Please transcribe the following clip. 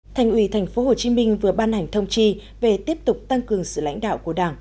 thành ủy tp hcm vừa ban hành thông chi về tiếp tục tăng cường sự lãnh đạo của đảng